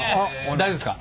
大丈夫ですか？